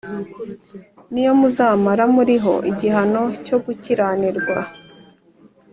Ni yo muzamara muriho igihano cyo gukiranirwa